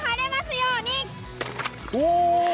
お！